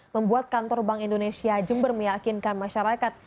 membuat kantor bank indonesia jember meyakinkan masyarakat